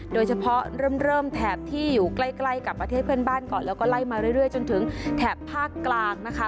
โดยเฉพาะเริ่มแถบที่อยู่ใกล้กับประเทศเพื่อนบ้านก่อนแล้วก็ไล่มาเรื่อยจนถึงแถบภาคกลางนะคะ